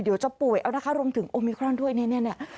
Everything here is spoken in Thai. เดี๋ยวจะป่วยเอานะคะรวมถึงโอมิครอนด้วยเนี้ยเนี้ยเนี้ย